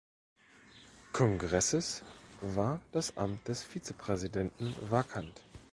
Kongresses war das Amt des Vizepräsidenten vakant.